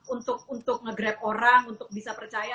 untuk nge grab orang untuk bisa percaya